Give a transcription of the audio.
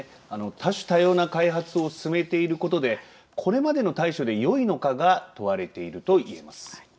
多種多様な開発を進めていることでこれまでの対処でよいのかが問われているといえます。